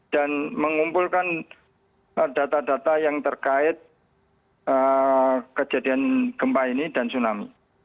dan mengumpulkan data data yang terkait kejadian gempa ini dan tsunami